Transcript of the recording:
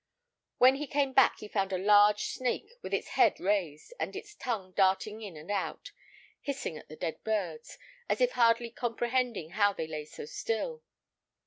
When he came back he found a large snake, with its head raised, and its tongue darting in and out, hissing at the dead birds, as if hardly comprehending how they lay so still.